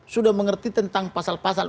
sudah mengerti tentang pasal pasal